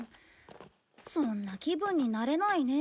そんな気分になれないね。